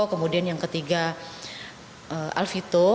kemudian yang ketiga alvito